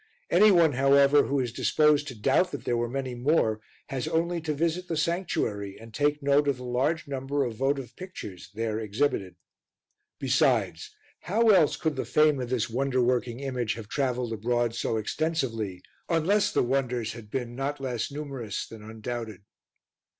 Any one, however, who is disposed to doubt that there were many more has only to visit the sanctuary and take note of the large number of votive pictures there exhibited. Besides, how else could the fame of this wonder working image have travelled abroad so extensively unless the wonders had been not less numerous than undoubted?